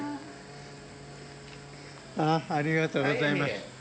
ありがとうございます。